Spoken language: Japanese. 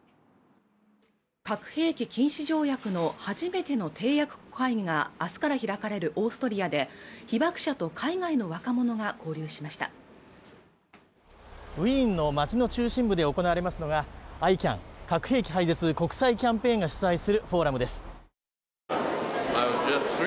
核兵器禁止条約の初めての締約国会議があすから開かれるオーストリアで被爆者と海外の若者が交流しましたウィーンの街の中心部で行われますのがＩＣＡＮ＝核兵器廃絶国際キャンペーンが主催するフォーラムです